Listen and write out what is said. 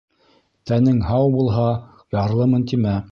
Тәнең һау булһа, ярлымын тимә.